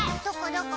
どこ？